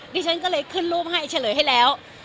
ดิฉันก็เลยขึ้นรูปให้เฉลยให้แล้ว